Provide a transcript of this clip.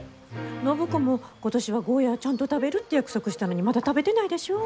暢子も今年はゴーヤーちゃんと食べるって約束したのにまだ食べてないでしょ？